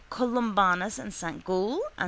Columbanus and S. Gall and S.